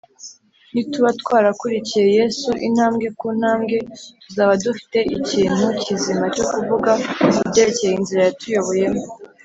ni tuba twarakurikiye yesu intambwe ku ntambwe, tuzaba dufite ikintu kizima cyo kuvuga ku byerekeye inzira yatuyoboyemo